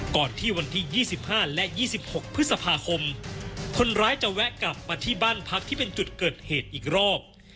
ก่อนที่วันที่๒๕และ๒๖พฤษภาคมคนร้ายจะแวะกลับมาที่บ้านพักที่เป็นจุดเกิดเหตุอีกรอบ